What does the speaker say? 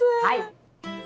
はい！